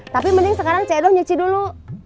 tapi mending sekarang cedo nyuci dulu